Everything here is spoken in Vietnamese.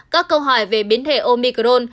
các câu hỏi về biến thể omicron